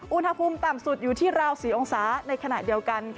อุณหภูมิต่ำสุดอยู่ที่ราว๔องศาในขณะเดียวกัน